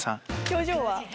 表情は？